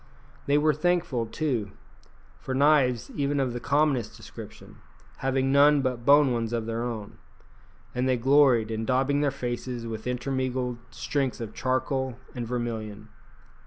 They were thankful, too, for knives even of the commonest description, having none but bone ones of their own; and they gloried in daubing their faces with intermingled streaks of charcoal and vermilion.